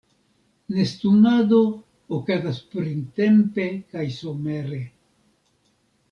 Nestumado okazas printempe kaj somere.